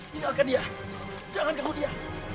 tinggalkan dia jangan ganggu dia